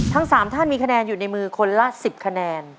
ทั้ง๓ท่านมีคะแนนอยู่ในมือคนละ๑๐คะแนน